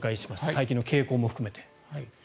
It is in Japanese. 最近の傾向も含めて。